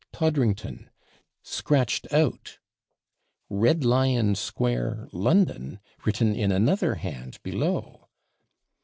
'TODDRINGTON' scratched out; 'Red Lion Square, London,' written in another hand below.